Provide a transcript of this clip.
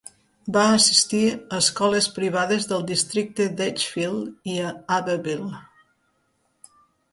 Va assistir a escoles privades del districte d'Edgefield i a Abbeville.